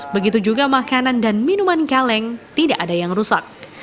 begitu juga makanan dan minuman kaleng tidak ada yang rusak